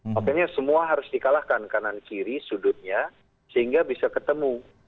makanya semua harus dikalahkan kanan kiri sudutnya sehingga bisa ketemu